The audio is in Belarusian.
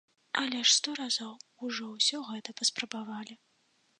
Але ж сто разоў ужо ўсе гэта паспрабавалі.